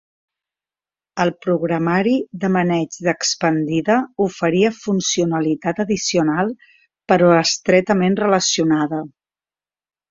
El programari de maneig d'expandida oferia funcionalitat addicional però estretament relacionada.